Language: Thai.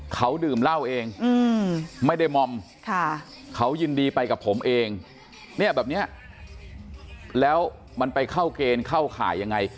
เขาดื่มเหล้าเองไม่ได้มอมเขายินดีไปกับผมเองเนี่ยแบบเนี้ยแล้วมันไปเข้าเกณฑ์เข้าข่ายยังไง